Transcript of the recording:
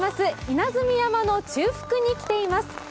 稲積山の中腹に来ています。